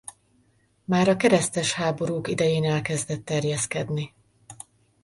Már a keresztes háborúk idején elkezdett terjeszkedni.